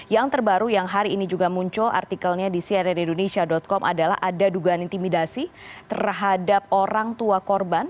yang terbaru yang hari ini juga muncul artikelnya di cnnindonesia com adalah ada dugaan intimidasi terhadap orang tua korban